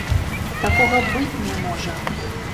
Такога быць не можа!